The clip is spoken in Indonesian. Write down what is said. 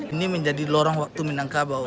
ini menjadi lorong waktu minangkabau